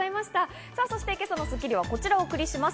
今朝の『スッキリ』はこちらをお送りします。